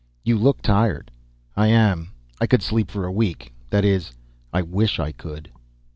"You look tired." "I am. I could sleep for a week. That is, I wish I could."